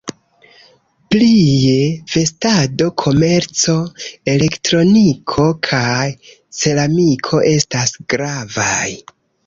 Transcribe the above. Plie, vestado-komerco, elektroniko kaj ceramiko estas gravaj.